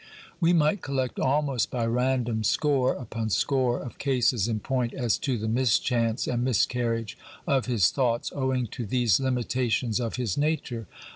We might collect almost by random score upon score of cases in point as to the mischance and miscarriage of his thoughts owing to these limitations of his nature.